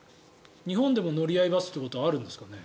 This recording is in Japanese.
日本でも乗り合いバスということはあるんですかね。